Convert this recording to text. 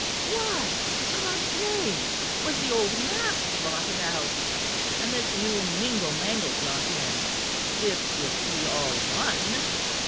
Why, a God's name, was the old mass blotted out and this new mingle mangle brought in, if it be all one?